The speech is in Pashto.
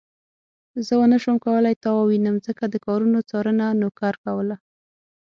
زه ونه شوم کولای تا ووينم ځکه د کارونو څارنه نوکر کوله.